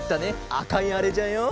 あかいあれじゃよ。